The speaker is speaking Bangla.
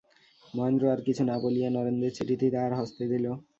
মহেন্দ্র আর কিছু না মলিয়া নরেন্দ্রের চিঠিটি তাহার হস্তে দিল।